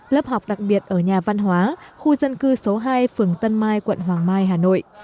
lớp học đặc biệt ở nhà văn hóa khu dân cư số hai phường tân mai quận hoàng mai hà nội